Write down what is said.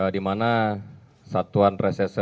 dimana satuan resese